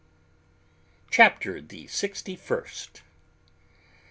CHAPTER THE SIXTY FIRST.